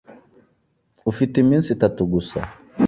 Ufite iminsi itatu gusa.